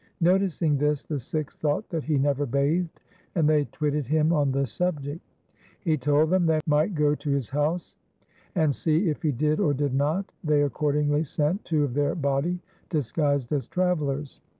Noticing this the Sikhs thought that he never bathed, and they twitted him on the subject. He told them they might go to his house, and see if he did or did not. They accordingly sent two of their body disguised as travellers.